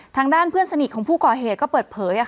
ทางด้านเพื่อนสนิทของผู้ก่อเหตุก็เปิดเผย